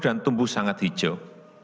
dan tumbuh sangat hijau